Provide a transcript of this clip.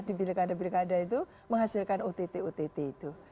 di pilkada pilkada itu menghasilkan ott ott itu